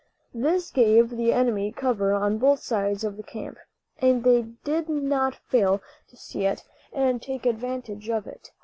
This gave the enemy cover on both sides of the camp, and they did not fail to see it and take advantage of it.